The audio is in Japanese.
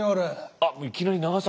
あっいきなり長崎。